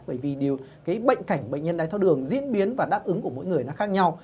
bởi vì điều cái bệnh cảnh bệnh nhân đài tháo đường diễn biến và đáp ứng của mỗi người nó khác nhau